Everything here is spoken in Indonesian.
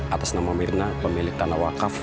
atas nama mirna pemilik tanah wakaf